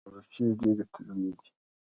الوچې ډېرې تروې دي